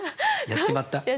やっちまった。